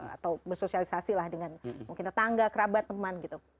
atau bersosialisasi lah dengan mungkin tetangga kerabat teman gitu